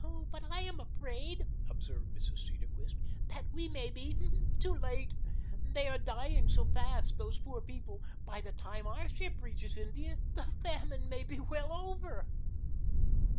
"But I am afraid," observed Mrs. Cedarquist, "that we may be too late. They are dying so fast, those poor people. By the time our ship reaches India the famine may be all over."